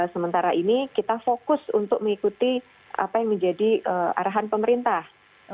sementara ini kita fokus untuk mengikuti apa yang menjadi arahan pemerintah